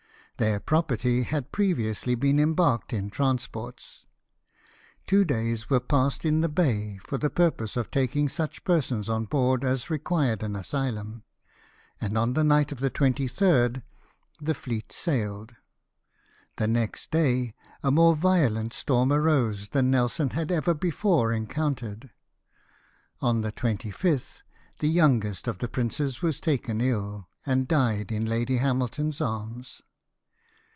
Their property had previously been embarked in transports. Two days Avere passed in the bay, for the purpose of taking such persons on board as required an asylum : and on the night of the 28rd the fleet sailed. The next da}^ a Tnore violent storm arose than Nelson had ever before encountered. On the 25th the youngest of the princes was taken ill, and died in Lady Hamilton's arms.